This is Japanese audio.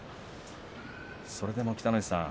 それでも、北の富士さん